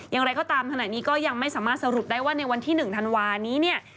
อย่างไรก็ตามขณะนี้ก็ยังไม่สามารถสรุปได้ว่าในวันที่๑ธันวานี้เนี่ย